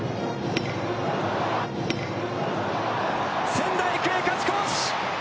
仙台育英、勝ち越し。